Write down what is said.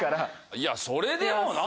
いやそれでもなぁ。